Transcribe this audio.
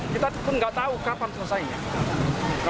kita pun nggak tahu kapan selesainya